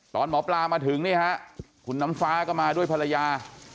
ตอนหมอปลามาถึงนี่ฮะคุณน้ำฟ้าก็มาด้วยภรรยา